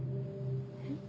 えっ？